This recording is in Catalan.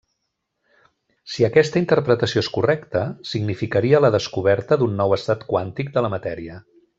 Si aquesta interpretació és correcta, significaria la descoberta d'un nou estat quàntic de la matèria.